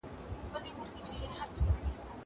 زه به سبا بازار ته ځم وم!!